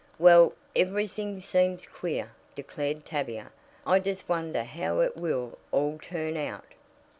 "Well, everything seems queer," declared Tavia. "I just wonder how it will all turn out."